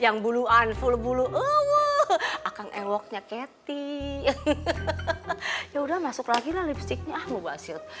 yang buluan full bulu akan e worknya cathy ya udah masuk lagi lele psiknya